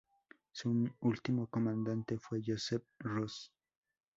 Su último comandante fue Joseph Ross.